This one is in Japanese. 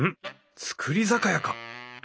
造り酒屋か！